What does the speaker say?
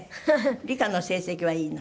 理科の成績はいいの？